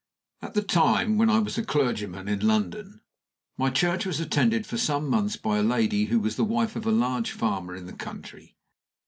At the time when I was a clergyman in London, my church was attended for some months by a lady who was the wife of a large farmer in the country.